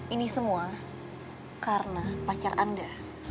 ini semua karena pacar anda